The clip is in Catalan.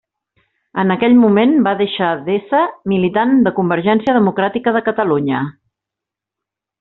En aquell moment va deixar d'ésser militant de Convergència Democràtica de Catalunya.